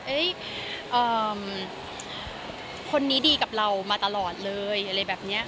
คนนี้ดีกับเรามาตลอดเลยอะไรแบบนี้